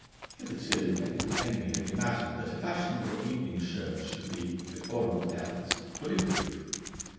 Hitherto Edward Henry had imagined that a fashionable evening shirt should be, before aught else, bullet proof.